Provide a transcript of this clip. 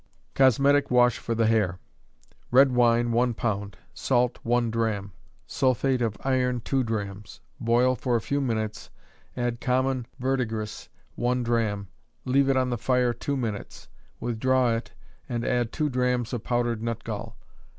Cosmetic Wash for the Hair. Red wine, one pound; salt, one drachm; sulphate of iron, two drachms; boil for a few minutes, add common verdigris, one drachm; leave it on the fire two minutes; withdraw it, and add two drachms of powdered nutgall.